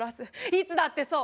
いつだってそう。